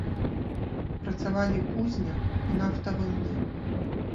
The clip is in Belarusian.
Працавалі кузня і нафтавы млын.